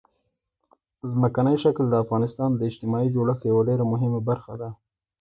ځمکنی شکل د افغانستان د اجتماعي جوړښت یوه ډېره مهمه برخه ده.